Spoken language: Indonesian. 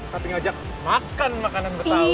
tapi ngajak makan makanan betawi